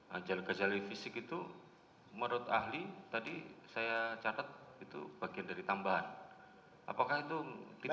gejala gejala fisik itu menurut ahli tadi saya catat itu bagian dari tambahan apakah itu tidak